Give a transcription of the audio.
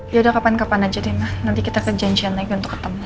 yaudah kapan kapan aja deh ma nanti kita ke janjian lagi untuk ketemu